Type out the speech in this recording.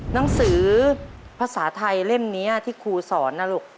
หนังสือภาษาไทยเล่มนี้ที่ครูสอนนะลูก